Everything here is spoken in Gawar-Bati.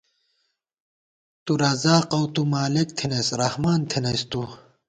تُو رازق اؤ تُو مالِک تھنَئیس، رحمان تھنَئیس تُو